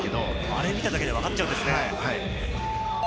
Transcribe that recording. あれ見ただけでわかっちゃうんですね。